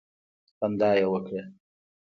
خندا یې وکړه.